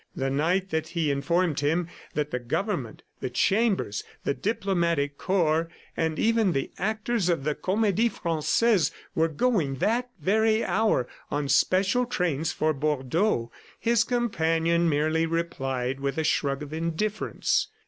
The night that he informed him that the Government, the Chambers, the Diplomatic Corps, and even the actors of the Comedie Francaise were going that very hour on special trains for Bordeaux, his companion merely replied with a shrug of indifference.